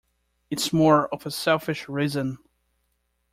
It's more of a selfish reason.